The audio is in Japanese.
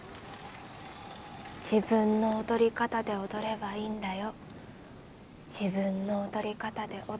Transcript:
自分の踊り方で踊ればいいんだよ。